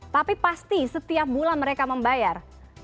tapi pasti setiap bulan mereka membayar